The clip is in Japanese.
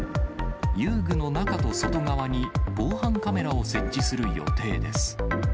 遊具の中と外側に防犯カメラを設置する予定です。